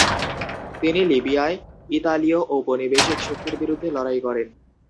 তিনি লিবিয়ায় ইতালীয় ঔপনিবেশিক শক্তির বিরুদ্ধে লড়াই করেন।